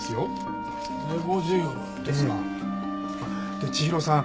で千尋さん